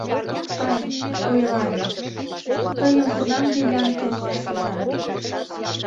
Ай, ойла вет: тыйым кунам делянке руаш ӱжам?